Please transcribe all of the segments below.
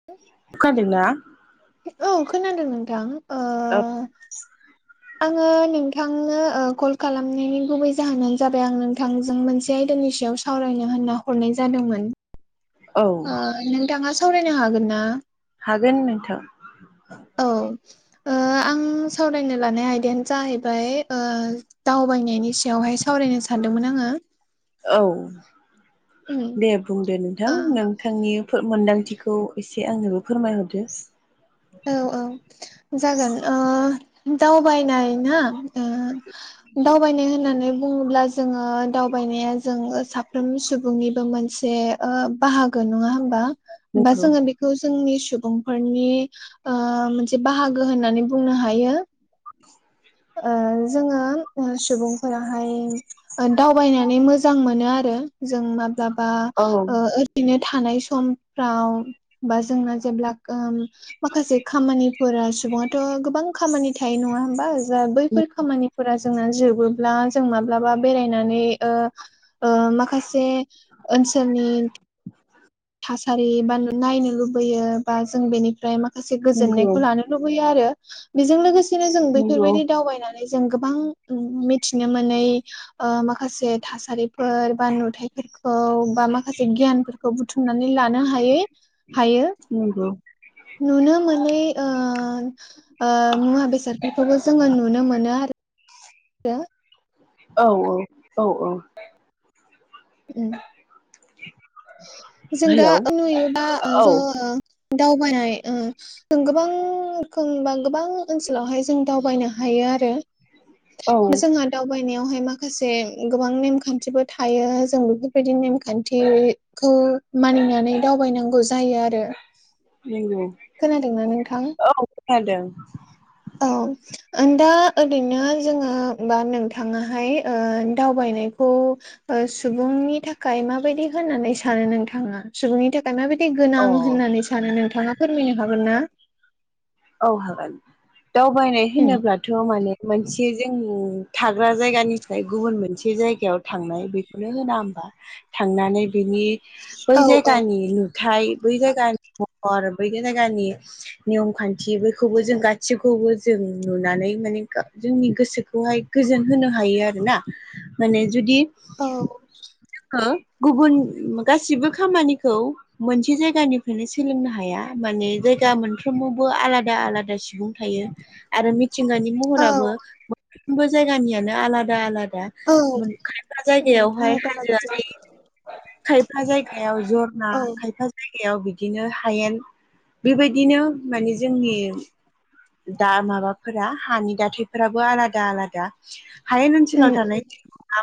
[unintelligible] अखादोंना? औ खोनादों नोंथां ओ औ आङो नोंथांनो कल खालामनायनि गुबै जाहोनानो जाबाय आं नोंथांजों मोनसे आयदानि सायाव स सावरायनो होनना हरनाय जादोंमोन। औ ओ नोंथाङा सावरायनो हागोन ना? हागोन नोंथां। औ। ओ आं सावरायनो लानाय आयदायानो जाहैबाय ओ दावबायनायनि सायावहाय सावरायनो सानदोंमोन आङो। औ उम दे बुंदो नोंथां नोंथांनि मोन्दांथिखौ एसे आंनोबो फोरमायहरदो। औ औ जागोन दावबायनाय ना ओ दावबायनाय होननानै बुङोब्ला जोङो दावबायनाया जों साफ्रोम सुबुंनिबो मोनसे बाहागो नङा होमबा बा नंगौ जोङो बे खौ जोंनि सुबुंफोरनि मोनसे बाहागो होननानै बुंनो हायो। ए। जोङो सुबुंफोराहाय दावबायनानै मोजां मोनो आरो जों माब्लाबा औ ओ रैनो थानाय समफ्राव बा जोंना जेब्ला माखासे खामानिफोरा, सुबुङाथ' गोबां खामानि थायो‌ नङा होमबा जा बैफोर खामानिफोरा जोंना जोबोब्ला जों माब्लाबा बेरायनानै माखासे ओनसोलनि थासारि बा नायनो लुबैयो बा जों बेनिफ्राय माखासे नंगौ गोजोननायखौ लानो लुबैयो आरो बेजों लोगोसेनो जों नंगौ बेफोरबायदि दावबायनानै जों गोबां मिथिनो मोनै ओ माखासे थासारिफोर बा नुथायफोर खौ बा माखासे गियानफोरखौ बुथुमनानै लानो हायै हायो। नंगौ नुनो मोनै ओ ओ मुवा बेसादफोरखौबो जोङो नुनो मोनो आ रो। औ औ औ औ। [inaudible] जों दा हेलौ नुयोबा ओ औ जोङो दावबायानाय ओ जों गोबां रोखोम बा गोबां ओनसोलावहाय जों दावबायनो हायो आरो। औ जोंहा दावबायनायावहाय माखासे गोबां नेमखान्थिबो थायो। जों बेफोरबायदि नेमखान्थि खौ मानिनानै दावबायनांगौ जायो आरो। नंगौ खोनादोंना नोंथां औ खोनादों। औ। आं दा ओरैनो जोङो बा नोंथाङाहाय ओ दावबायनायखौ ओ सुबुंनि थाखाय माबायदि होननानै सानो नोंथाङा? सुबुंनि थाखाय माबायदि अ गोनां होननानै सानो नोंथाङा फोरमायनो हागोनना? औ हागोन दावबायनाय होनोब्ला थ' माने मोनसे जों थाग्रा जायगानिफ्राय गुबुन मोनसे जायगायाव थांनाय बे नो होना होमबा थांनानै बिनि बै औ औ जायगानि नु थाय बै जायगानि महर बै जायगानि नियम खान् थि बैखौबो जों गासैखौबो जों नुनानै माने जोंनि गोसोखौहाय गोजोन होनो हायो आरोना। माने जुदि औ। हो गुबुन गासिबो खामानिखौ मोनसे जायगानिफ्रायनो सोलोंनो हाया। माने जायगा मोनफ्रोमावबो आलादा आलादा सुबुं थायो आरो मिथिंगानि औ महराबो मोनफ्रोमबो जायगानियानो आलादा आलादा। औ खायफा उम जायगायावहाय हाजो [inaudible] खायफा जायगायाव जरना औ खायफा जायगायाव बिदिनो हायेन। बेबायदिनो माने जोंनि दा माबाफोरा हानि दाथायफोराबो आलादा आलादा। हायेन ओनसोलाव उम उम थानाय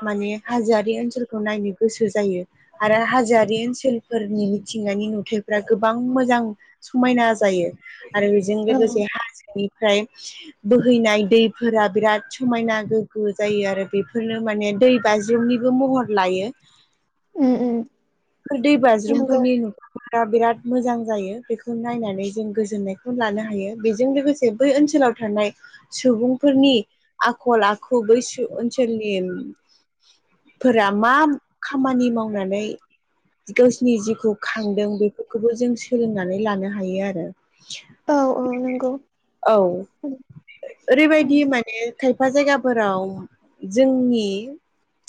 माने हाजोआरि ओनसोलखौ नायनो गोसो जायो। आरो हाजोयारि ओनसोलफोरनि मिथिंगानि नुथायाइफ्रा गोबां मोजां समायना जायो आरो बेजों औ लोगोसे हाजोनिफ्राय बोहैनाय दैफोरा बिराद समायना गोग्गो जायो आरो बेफोरनो माने दै बाज्रुमनिबो महर लायो [unintelligible] उम दै नंगौ बाज्रुमफोरनि नु बारा बिराद मोजां जायो बेखौ नायनानै जों गोजोननायखौ लानो हायो बेजों लोगोसे बै ओनसोलाव थानाय सुबुंफोरनि आखल आखु बै ओनसोलनि फोरा मा खामानि मावनानै गावसिनि जिउखौ खांदों बेफोरखौबो जों सोलोंनानै लानो हायो आरो औ औ नंगौ औ उम उम ओरैबायदि माने खायफा जायगाफोराव जोंनि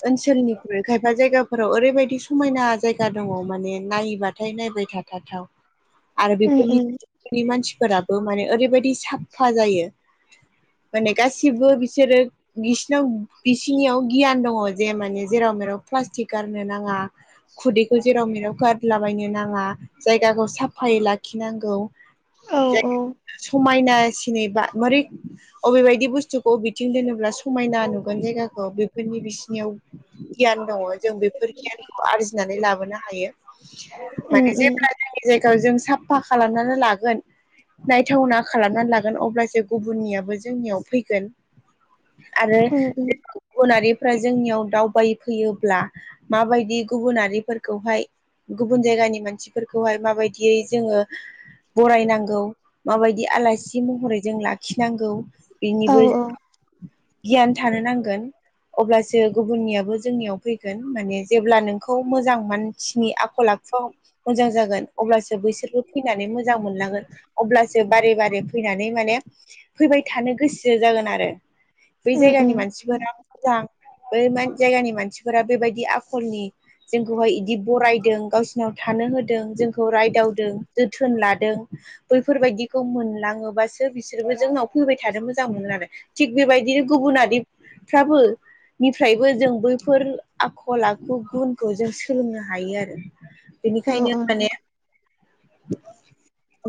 ओनसोलनिख्रुइ खायफा जायगाफोराव ओरैबायदि समायना जायगा दङ माने नायोबा नायबाय थाथावथाव [unintelligible] आरो बेफोरनिफोरनि मानसिफोराबो माने ओरैबायदि साफा जायो माने गासिबो बिसोरो बिसिनाव बिसिनियाव गियान दङ जे माने जेराव मेराव प्लास्टिक गारनो नाङा खुदैखौ जेराव मेराव गारलाबायनो नाङा जायगाखौ साफायै लाखिनांगौ औ औ जायख समायना सिनिबा मोरै अबे बायदि बुस्थुखौ बबेथिं दोनोब्ला समायना नुगोन जायगाखौ बेफोरनि बिसिनियाव गियान दङ जों बेफोर गियानखौ आरजिनानै लाबोनो हायो उम माने उम जेब्ला जोंनि जायगायाव जों साफा खालामनानै लागोन नायथावना खालामनानै लागोन अब्लासो गुबुननियाबो जोंनियाव फैगोन आरो उम उम गुबुनारिफ्रा जोंनियाव दावबायफैयोब्ला माबायदि गुबुनारिफोरखौहाय गुबुन जायगानि मानसिफोरखौहाय माबायदियै जोङो बरायनांगौ माबाय बे आलासि महरै जों लाखिनांगौ औ बेनिबो औ गियान थानो नांगोन अब्लासो गुबुननियाबो जोंनियाव फैगोन माने जेब्ला नोंखौ मोजां मान सिनि आखल आखुआव मोजां जागोन अब्लासो बैसोरबो फैनानै मोजां मोनलांगोन अब्लासो बारे बारे फैनानै माने फैबाय थानो गोसो जागोन आरो बै उम उम जायगानि मानसिफोरा मोजां बै जायगानि मानसिफोरा बेबायदि आखलनि जोंखौहाय इदि बरायदों गावसोरनाव थानो होदों जोंखौ रायदावदों जोथोन लादों बैफोरबायदिखौ मोनलाङोबासो बिसोरबो जोंनाव फैबाय थानो मोजां मोनो आरो थिग बेबायदिनो गुबुनारिफ्राबो निफ्रायबो जों बैफोर आखल आखु गुनखौ जों सोलोंनो हायो आरो [inaudible] बेनिखायनो औ माने [inaudible]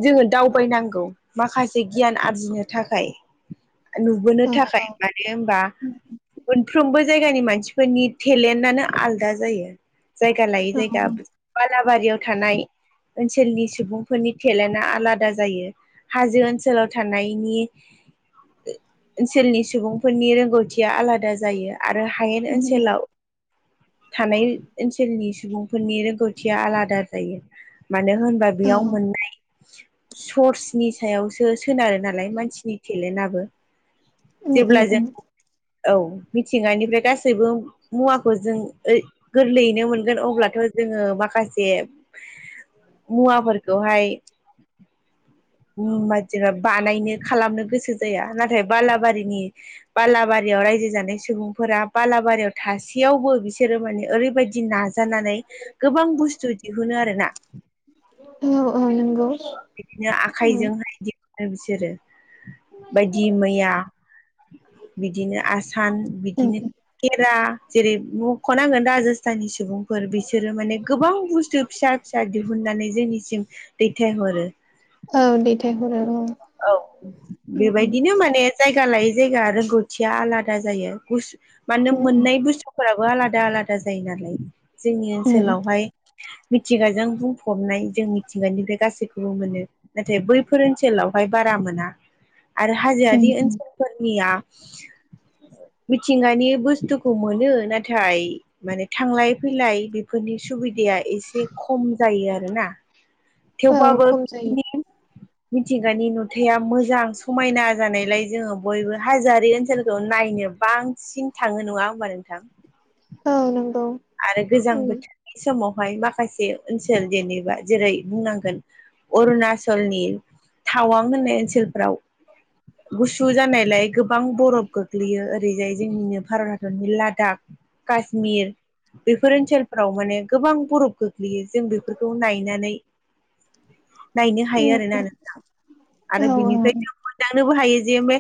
जोङो दावबायनांगौ माखासे गियान आरजिनो थाखाय नु औ थाखाय औ मानो होनबा उम मोनफ्रोमबो जायगानि मानसि फोरनि टेलेन्टनो आलदा जायो जायगा लायै जायगा बालाबारियाव थानाय ओनसोलनि सुबुंफोरनि टेलेन्टआ आलादा जायो हाजो ओनसोलाव थानायनि ओनसोलनि सुबुंफोरनि रोंगौथिया आलादा जायो आरो हायेन उम ओनसोलाव थानाय ओनसोलनि सुबुंफोरनि रोंगौथिया आलादा जायो मानो होनबा बेयाव मोननाय सर्सनि सायावसो सोनारो नालाय मानसिनि टेलेन्टआबो जेब्ला जों उम औ मिथिंगानिफ्राय गासैबो मुवाखौ जों ओ गोरलैयैनो मोनगोन अब्लाथ' जोङो माखासे मुवाफोरखौहाय बदिबा बानायनो खालामनो गोसो जाया नाथाय बालाबारिनि बालाबारियाव रायजो जानाय सुबुंफोरा बालाबारियाव थासेयावबो बिसोरो माने ओरैबायदि नाजा जानानै गोबां बुस्थु दिहुनो आरोना औ औ नोंगौ बिदिनो आखाइजोंहाय दिहुननो बिसोरो बायदि मैया बिदिनो आसान बिदिनो उम खेरा जेरै मख'नांगोन राजस्थाननि सुबुंफोर बिसोरो माने गोबां बुस्थु फिसा फिसा दिहुनन्नानै जोंनिसिम दैथायहरो औ दैथायहरो औ औ उम बेबायदिनो माने जायगा लायै जायगा रोंगौथिया आलादा जायो गुस मानो उम उम मोननाय बुस्थु फोराबो आलादा आलादा जायो नालाय जोंनि उम ओनसोलावहाय मिथिंगाजों बुंफबनाय जों मिथिंगानिफ्राय गासैखौबो मोनो नाथाय बैफोर ओनसोलावहाय बारा मोना आरो उम हाजोआरि उम ओनसोल फोरनिया मिथिंगानि बुस्थुखौ मोनो नाथाय माने थांलाय फैलाय बेफोरनि सुबिदाया एसे खम जायो आरोना [inaudible] थेवब्लाबो खम जायो मिथिंगानि नुथाया मोजां समायना जानायलाय जोङो बयबो हाजोआर ओनसोलखौ नायनो बां सिन थाङो नङा होमबा नोंथां औ नंगौ आरो गोजां उम बोथोरनि समावहाय माखासे ओनसोल जेनेबा जेरै बुंनांगोन अरुणाचलनि तावां होननाय ओनसोलफ्राव गुसु जानायलाय गोबां बरफ गो गोग्लैयो ओरैजाय जोंनिनो भारत हादरनि लादाख काश्मिर बेफोर ओनसोलफोराव माने गोबां बरफ गोग्लैयो जों बेफोरखौ नायनानै [inaudible] नायनो हायो उम आरोना उम नां आरो औ औ बिनिफ्राय उम जों मोनदांनोबो हायो जे बे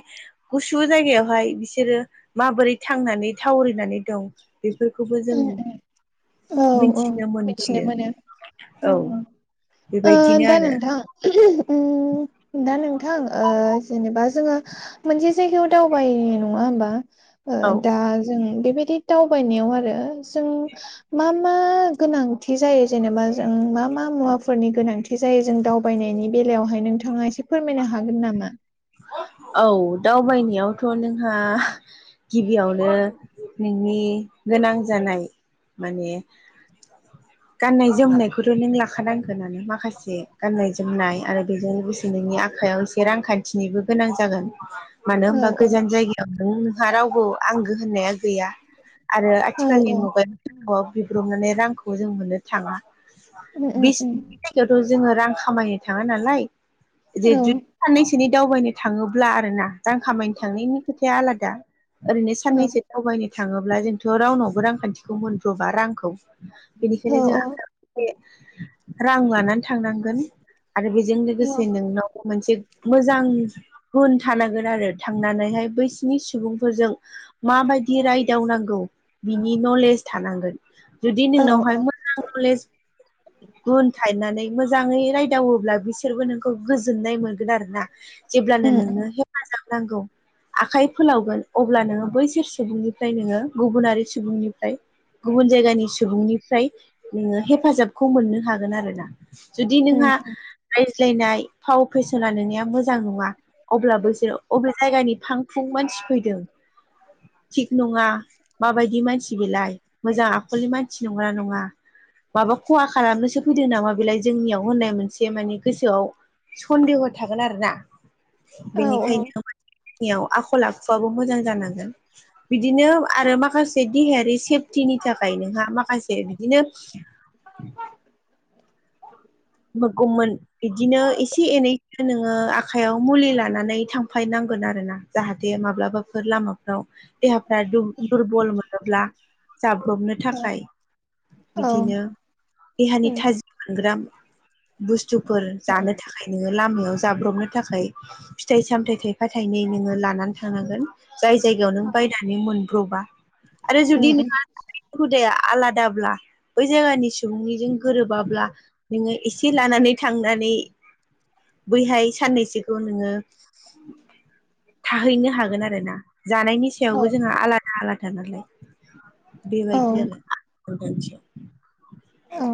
गुसु जायगायावहाय बिसोरो माबोरै थांनानै थावरिनानै दं बेफोरखौबो जों उम औ औ मिथिनो मिथिनो मोनबोयो मोनो औ ओ बेबायदिनो दा आरो नोंथां दा नोंथां जेनेबा जोङो मोनसे जायगायाव दावबायनाय नङा हबा औ दा जों बेबायदि दावबायनायाव आरो जों मा मा गोनांथि जायो जेनेबा जों मा मा मुवाफोरनि गोनांथि जख जायो जों दावबायनायनि बेलायावहाय नोंथाङा एसे फोरमायनो हागोन नामा औ दावबायनायावथ' नोंहा गिबियावनो नोंनि गोनां जानाय माने [inaudible] गाननाय जोमनायखौथ' नों लाखानांगोनानो माखासे गाननाय जोमनाय आरो बेजों लोगोसे नोंनि आखायाव एसे रांखान्थि थिनोबो गोनां जागोन मानो औ होनबा औ गोजान जायगायाव नों नोंहा रावबो आंगो होननाया गैया आरो औ आथिखालनि औ मुगायावांगौआव बिब्रबनानै रांखौ जों मोननो थाङा उम उम बे उम जायगायावथ' जोङो रां खामायनो थाङा नालाय औ जे जुदि साननैसनि दावबायनो थाङोब्ला आर ना रां खामायनो थांनायनि खोथाया आलादा ओरैनो औ साननैसो दावबायनो थाङोब्ला जोंथ' रावनावबो रांखान्थिखौ मोनब्र'बा रांखौ औ बेनिखायनो जोंहा रां लानानै थांनांगोन आरो बेजों औ लोगोसे नोंनाव मोनसे मोजां गुन थानांगोन आरो थांनानैहाय बैसिनि सुबुंफोरजों माबायदि रायदावनांगौ बिनि नलेज थानांगोन। जुदि औ नोंनावहाय मोजां नलेज गुन थायनानै मोजाङै रायदावोब्ला बिसोरबो नोंखौ गोजोननाय मोनगोन आरोना जेब्लानो उम उम नोङो थाजाब नांगौ। आखाइ फोलावगोन अब्ला नोङो बैसोर सुबुंनिफ्राय नोङो गुबुनारि सुबुंनिफ्राय गुबुन जायगानि सुबुंनिफ्राय नोङो हेफाजाबखौ मोननो हागोन आरोना। जुदि उम नोंहा रायज्लायनाय फाव फेस सोना नोंनिया मोजां नङा अब्ला बैसोरो अबे जायगानि फां फुं मानसि फैदों थिग नङा माबायदि मानसि बेलाय मोजां आखलनि मानसि नंगोना नङा माबा ख'हा खालामनोसो फैदों नामा बेलाय जोंनियाव होननाय मोनसे माने गोसोआव सन्देह' थागोन आरोना औ औ बेनिखायनो नियाव आखल आखुआबो मोजां जानांगोन। बिदिनो आरो माखासे देहायारि सेफटिनि थाखाय नोंहा माखासे बिदिनो [unintelligible] बिदिनो एसे एनै नोङो आखाइयाव मुलि लानानै थांफायनांगोन आरोना। जाहाथे माब्लाबाफोर लामाफ्राव देहाफ्रा दुर-दुरबल मोनोब्ला जाब्रबनो थाखाय औ बिदिनो देहानि उम थाजिम मोनग्रा बुस्थुफोर उम जानो थाख खाय नोङो लामायाव जाब्रबनो थाखाय फिथाइ सामथाइ थाइफा थाइनै नोङो लानानै थानांगोन। जाय जायगायाव नों बायनानै मोनब्र'बा आरो जुदि उम नोंहा हुदाया आलादाब्ला बै जायगानि सुबुंनिजों गोरोबाब्ला नोङो एसे लानानै थांनानै बैहाय साननैसोखौ नोङो थाहैनो हागोन आरोना जानायनि औ सायावबो जोंहा आलादा आलादा नालाय। औ बेबायदि आरो [unintelligible] औ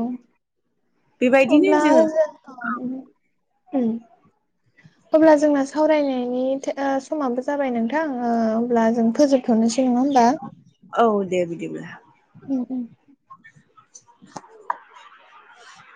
बेबायदिनो अब्ला जोङो जों औ उम। अब्ला जोंना सावरायनायनि थो ओ समाबो जाबाय नोंथां ओ अब्ला जों फोजोब थ'नोसै नङा होमबा? औ दे बिदिब्ला। उम उम।